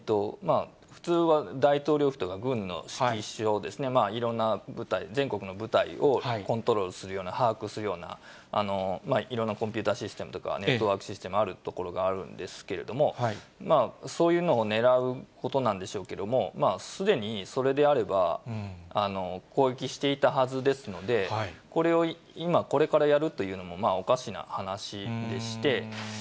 普通は大統領府とか軍の指揮所、いろんな部隊、全国の部隊をコントロールするような、把握するような、いろんなコンピューターシステムとかネットワークシステムがある所なんですけれども、そういうのをねらうことなんでしょうけれども、すでに、それであれば、攻撃していたはずですので、これを今、これからやるというのもおかしな話でして。